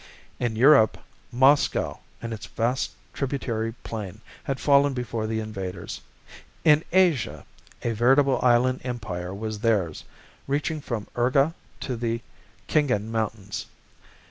In Europe, Moscow and its vast tributary plain had fallen before the invaders. In Asia, a veritable inland empire was theirs, reaching from Urga to the Khingan Mountains.